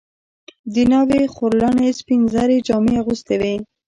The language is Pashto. د ناوې خورلڼې سپین زري جامې اغوستې وې.